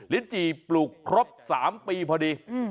ลิ้นจี่ปลูกครบ๓ปีพอดี